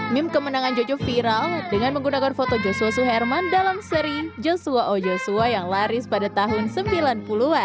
meme kemenangan jojo viral dengan menggunakan foto joshua suherman dalam seri joshua ojoswa yang laris pada tahun sembilan puluh an